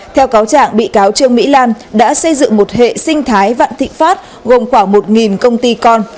theo cáo trạng bị cáo trương mỹ lan đã xây dựng một hệ sinh thái vạn thịnh pháp gồm khoảng một công ty con